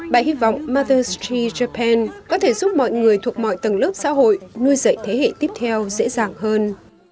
bà hy vọng mother s tree japan có thể giúp mọi người thuộc mọi tầng lớp xã hội nuôi dạy thế hệ tiếp theo dễ dàng hơn